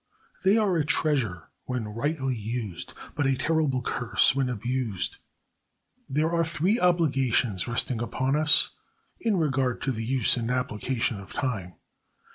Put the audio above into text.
They are a treasure when rightly used, but a terrible curse when abused. There are three obligations resting upon us in regard to the use and application of time.